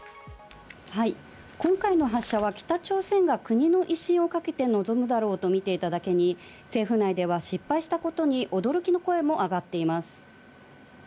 はい、今回の発射は北朝鮮が国の威信をかけて臨むだろうと見ていただけに、政府内では失敗したことに驚きの声も上がっています。